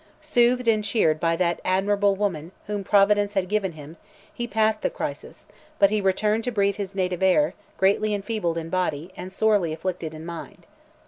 Soothed and cheered by that admirable woman, whom Providence had given him, he passed the crisis, but he returned to breathe his native air, greatly enfeebled in body, and sorely afflicted in mind.